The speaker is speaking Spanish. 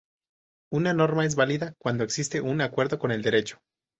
Una norma es válida cuando existe un acuerdo con el Derecho.